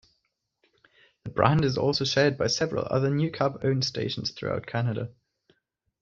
The brand is also shared by several other NewCap-owned stations throughout Canada.